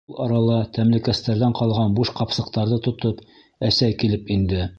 Ул арала, тәмлекәстәрҙән ҡалған буш ҡапсыҡтарҙы тотоп, әсәй килеп инде.